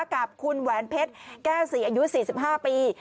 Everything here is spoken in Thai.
กับคุณแหวนเพชรแก้วศรีอายุ๔๕ปี